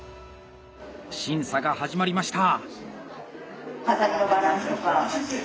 審査が始まりました。